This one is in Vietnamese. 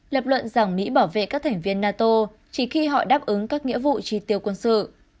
lập luận rằng mỹ bảo vệ các thành viên nato chỉ khi họ đáp ứng các nghĩa vụ tri tiêu quân sự